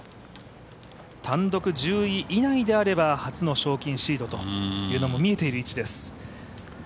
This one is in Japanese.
単独１０位以内であれば初の賞金シードも見えている位置です。